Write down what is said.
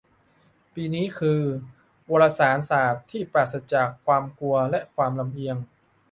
ปีนี้ คือ "วารสารศาสตร์ที่ปราศจากความกลัวและความลำเอียง"